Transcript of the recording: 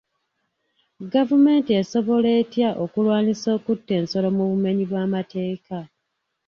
Gavumenti esobola etya okulwanyisa okutta ensolo mu bumenyi bw'amateeka?